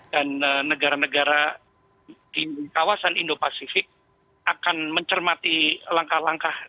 dan negara negara di kawasan indo pasifik akan mencermati langkah langkah